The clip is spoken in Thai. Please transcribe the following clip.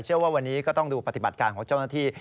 เชื่อว่าวันนี้ก็ต้องดูปฏิบัติการของเจ้าหน้าที่